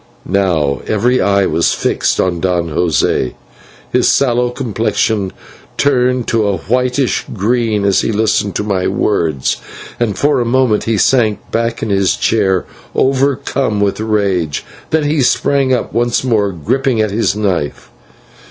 Now every eye was fixed upon Don José. His sallow complexion turned to a whitish green as he listened to my words, and for a moment he sank back in his chair overcome with rage. Then he sprung up, once more gripping at his knife.